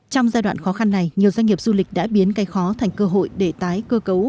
trong giai đoạn khó khăn này nhiều doanh nghiệp du lịch đã biến cây khó thành cơ hội để tái cơ cấu